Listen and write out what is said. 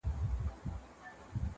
ته مي کله هېره کړې يې.